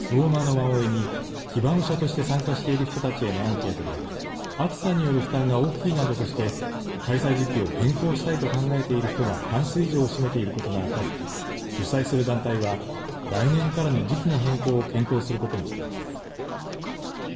馬追に騎馬武者として参加している人たちへのアンケートで暑さによる負担が大きいなどとして開催時期を変更したいと考えている人が半数以上を占めていることが分かり主催する団体は来年からの時期の変更を検討することにしています。